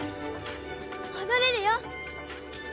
戻れるよ。